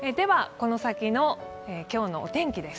この先の今日のお天気です。